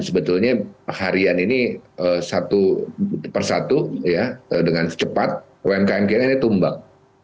sebetulnya harian ini satu persatu dengan secepat umkm kini ini tumbang